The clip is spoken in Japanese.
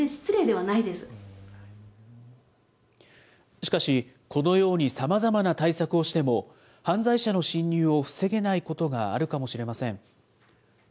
しかし、このようにさまざまな対策をしても、犯罪者の侵入を防げないことがあるかもしれません。